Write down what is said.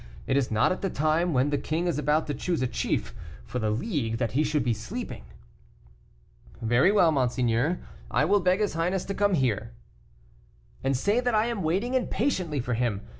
It is not at the time when the king is about to choose a chief for the League that he should be sleeping." "Very well, monseigneur, I will beg his highness to come here." "And say that I am waiting impatiently for him.